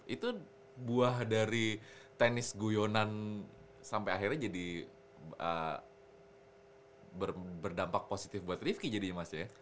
itu buah dari tenis guyonan sampai akhirnya jadi berdampak positif buat rifki jadinya mas ya